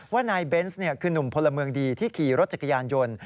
ว่านายเบนส์คือนุ่มพลเมืองดีที่ขี่รถจักรยานยนต์